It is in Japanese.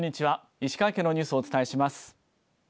石川県のニュースをお伝えします。